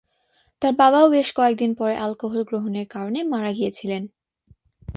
তার বাবাও বেশ কয়েকদিন পরে অ্যালকোহল গ্রহণের কারণে মারা গিয়েছিলেন।